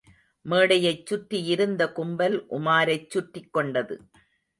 மேடையைச் சுற்றியிருந்த கும்பல் உமாரைச் சுற்றிக் கொண்டது.